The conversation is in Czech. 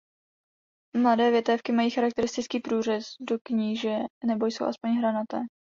Mladé větévky mají charakteristický průřez do kříže nebo jsou alespoň hranaté.